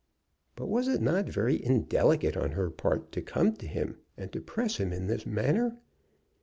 But was it not very indelicate on her part to come to him and to press him in this manner?